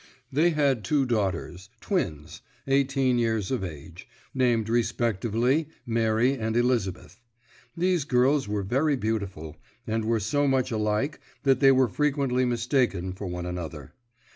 They had two daughters, twins, eighteen years of age, named respectively Mary and Elizabeth. These girls were very beautiful, and were so much alike that they were frequently mistaken for one another.